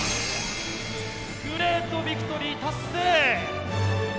グレートビクトリー達成！